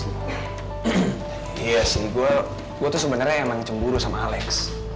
iya sih gue sebenarnya yang ngecemburu sama alex